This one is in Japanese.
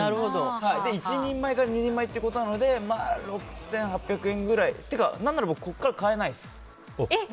で、１人前から２人前ということなので６８００円くらい。というか、何なら僕、ここから変えないです。